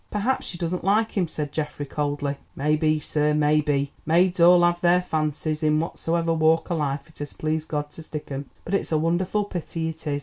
"Perhaps she doesn't like him," said Geoffrey coldly. "May be, sir, may be; maids all have their fancies, in whatsoever walk o' life it has pleased God to stick 'em, but it's a wonderful pity, it is.